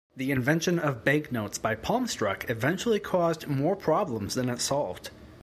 The invention of banknotes by Palmstruch eventually caused more problems than it solved.